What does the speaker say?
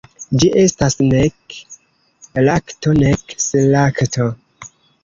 Ĝi estas nek lakto, nek selakto.